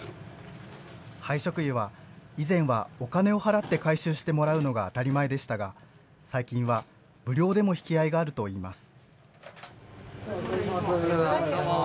廃食油は以前はお金を払って回収してもらうのが当たり前でしたが最近は無料でも引き合いがあるといいます。